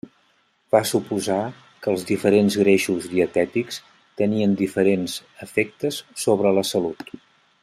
Va suposar que els diferents greixos dietètics tenien diferents efectes sobre la salut.